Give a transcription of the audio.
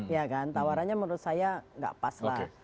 ya kan tawarannya menurut saya nggak pas lah